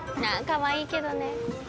かわいいけどね。